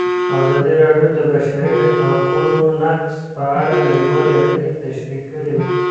ازادي راډیو د د بشري حقونو نقض په اړه نړیوالې اړیکې تشریح کړي.